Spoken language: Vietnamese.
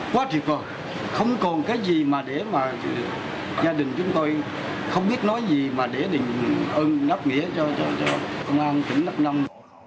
quá thiệt vời không còn cái gì mà để mà gia đình chúng tôi không biết nói gì mà để để ơn ngắp nghĩa cho công an tỉnh đắk nông